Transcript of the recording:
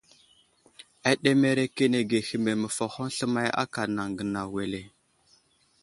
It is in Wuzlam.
Aɗemerekenege hehme məfahoŋ sləmay aka anaŋ gənaw wele ?